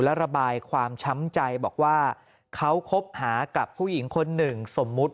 และระบายความช้ำใจบอกว่าเขาคบหากับผู้หญิงคนหนึ่งสมมุติ